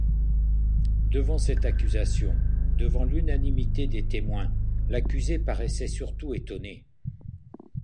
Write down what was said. Devant cette accusation, devant l'unanimité des témoins, l'accusé paraissait surtout étonné.